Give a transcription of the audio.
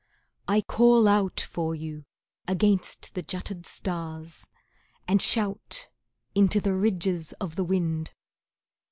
I call out for you against the jutted stars And shout into the ridges of the wind.